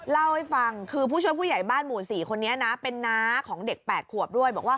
เล่าให้ฟังคือผู้ช่วยผู้ใหญ่บ้านหมู่๔คนนี้นะเป็นน้าของเด็ก๘ขวบด้วยบอกว่า